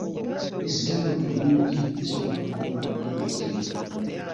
Essanyu eringi lisobola okuvaamu amaziga.